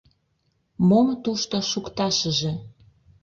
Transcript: — Мом тушто шукташыже?